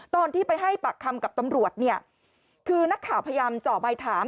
ตอนที่ไปให้ปากคำกับตำรวจเนี่ยคือนักข่าวพยายามเจาะใบถาม